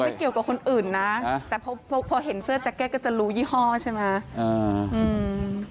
เกี่ยวกับคนอื่นนะแต่พอพอเห็นเสื้อแจ็กเก็ตก็จะรู้ยี่ห้อใช่ไหม